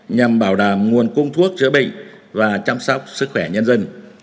nhằm bảo đảm nguồn cung thuốc chữa bệnh và chăm sóc sức khỏe nhân dân